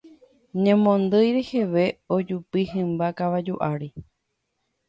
Ñemondýi reheve ojupi hymba kavaju ári.